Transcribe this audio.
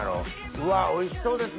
うわおいしそうですね